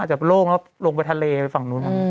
จะโล่งแล้วลงไปทะเลไปฝั่งนู้น